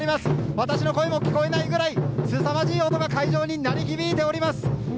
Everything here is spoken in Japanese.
私の声も聞こえないぐらいすさまじい音が会場に鳴り響いております。